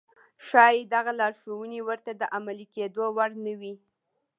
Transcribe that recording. ښايي دغه لارښوونې ورته د عملي کېدو وړ نه وي.